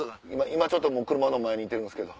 今ちょっともう車の前にいてるんですけど。